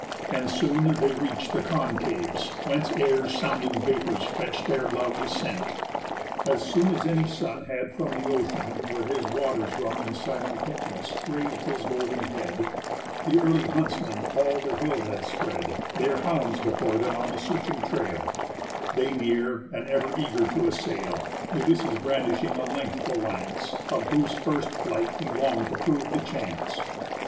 And Soon they reach'd The concaves, whence air's sounding vapours fetch'd Their loud descent. As soon as any sun Had from the ocean, where his waters run In silent deepness, rais'd his golden head, The early huntsmen all the hill had spread, Their hounds before them on the searching trail, They near, and ever eager to assail: Ulysses brandishing a lengthful lance, Of whose first flight he long'd to prove the chance.